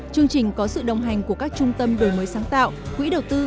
chương trình có sự đồng hành của các trung tâm đổi mới sáng tạo quỹ đầu tư